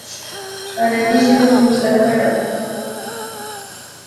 عربي ژبه مو زده کړه.